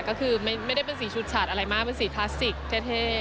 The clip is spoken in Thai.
ก็คือไม่ได้เป็นสีชุดฉาดอะไรมากเป็นสีคลาสสิกเท่